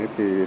thì đúng là